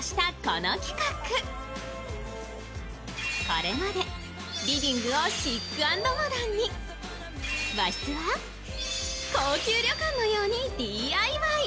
これまでリビングをシック＆モダンに、和室は、高級旅館のようにＤＩＹ。